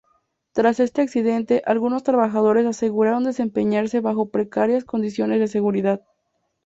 Tras este accidente, algunos trabajadores aseguraron desempeñarse bajo precarias condiciones de seguridad.